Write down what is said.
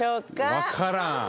わからん！